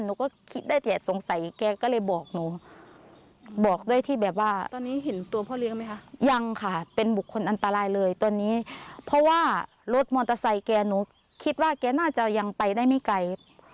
หนูก็คิดได้แต่สงสัยแกก็เลยบอกหนูบอกด้วยที่แบบว่าตอนนี้เห็นตัวพ่อเลี้ยงไหมคะยังค่ะเป็นบุคคลอันตรายเลยตอนนี้เพราะว่ารถมอเตอร์ไซค์แกหนูคิดว่าแกน่าจะยังไปได้ไม่ไกล